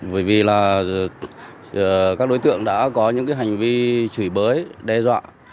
bởi vì là các đối tượng đã có những hành vi chửi bới đe dọa